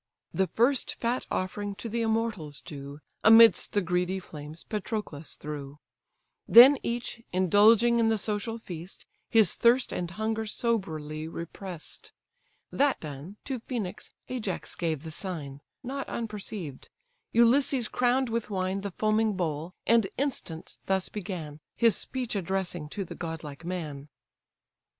The first fat offering to the immortals due, Amidst the greedy flames Patroclus threw; Then each, indulging in the social feast, His thirst and hunger soberly repress'd. That done, to Phœnix Ajax gave the sign: Not unperceived; Ulysses crown'd with wine The foaming bowl, and instant thus began, His speech addressing to the godlike man.